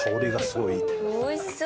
おいしそう！